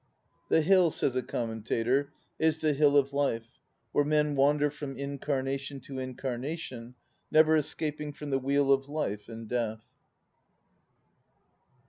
The hill, says a commentator, is the Hill of Life, where men wander from incarnation to incarnation, never escaping from the Wheel of Life and Death.